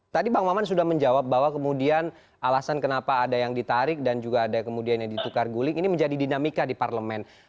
tadi bang maman sudah menjawab bahwa kemudian alasan kenapa ada yang ditarik dan juga ada kemudian yang ditukar guling ini menjadi dinamika di parlemen